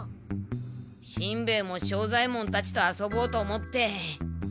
しんべヱも庄左ヱ門たちと遊ぼうと思って。